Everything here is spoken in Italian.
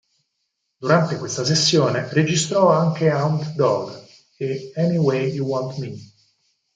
Durante questa sessione registrò anche "Hound Dog", e "Any Way You Want Me".